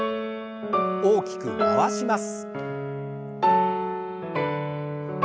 大きく回します。